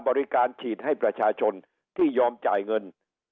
บริการฉีดให้ประชาชนที่ยอมจ่ายเงิน